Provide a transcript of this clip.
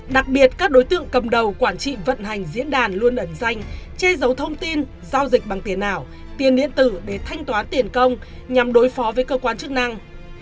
đặc biệt các đối tượng cầm đầu quản trị vận hành diễn đàn luôn ẩn danh che giấu thông tin giao dịch bằng tiền ảo tiền điện tử để thanh toán tiền công nhằm đối phó với cơ quan chức năng